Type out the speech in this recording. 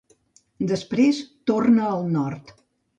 Després, torna al nord.